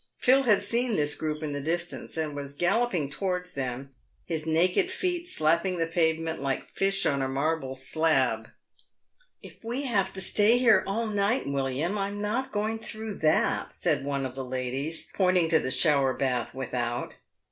Phil had seen this group in the distance, and was gal loping towards them, his naked feet slapping the pavement like fish on a marble slab. " If we have to stay here all night, "William, I'm not going through that," said one of the ladies, pointing to the shower bath without.